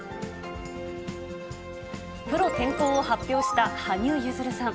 プロ転向を発表した羽生結弦さん。